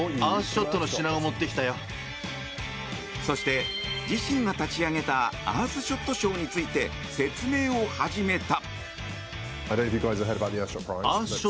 そして、自身が立ち上げたアースショット賞について説明を始めた。